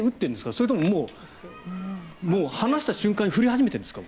それとも、もう離した瞬間に振り始めているんですか？